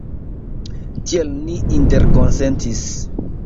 Tiel ni interkonsentis.